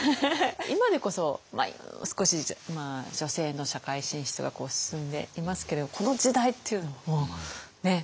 今でこそ少し女性の社会進出が進んでいますけれどこの時代っていうのはもうものすごい。